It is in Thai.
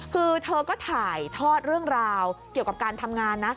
คือเธอก็ถ่ายทอดเรื่องราวเกี่ยวกับการทำงานนะ